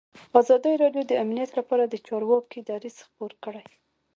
ازادي راډیو د امنیت لپاره د چارواکو دریځ خپور کړی.